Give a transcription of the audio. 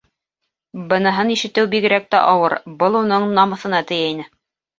Быныһын ишетеү бигерәк тә ауыр, был уның намыҫына тейә ине.